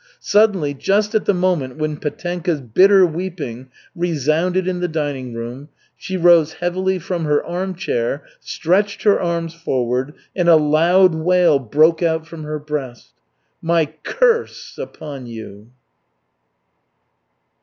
Suddenly, just at the moment when Petenka's bitter weeping resounded in the dining room she rose heavily from her arm chair, stretched her arms forward, and a loud wail broke out from her breast. "My cu r r se upon you!"